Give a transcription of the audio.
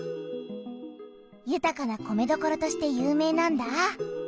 ゆたかな米どころとして有名なんだ。